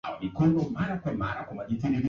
Tarakilishi ni nzuri.